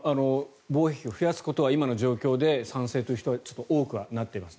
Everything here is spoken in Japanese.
防衛費を増やすことは今の状況で賛成という人は多くはなっています。